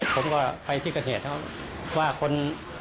ผมก็ไปที่กระเจถล่ะเขาว่าคน